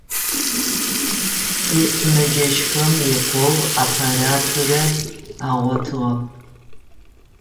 Тисымэджэщхэм икъоу аппаратурэ агъотыгъэп.